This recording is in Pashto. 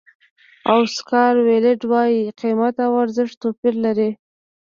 اوسکار ویلډ وایي قیمت او ارزښت توپیر لري.